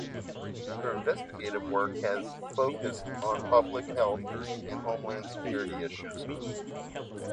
Her investigative work has focused on public health and homeland security issues.